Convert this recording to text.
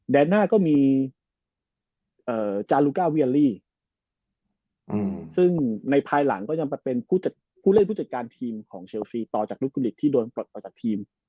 น่าก็มีจารุก้าเวียลี่ซึ่งในภายหลังก็ยังเป็นผู้เล่นผู้จัดการทีมของเชลซีต่อจากลูกกุลิตที่โดนปลดออกจากทีม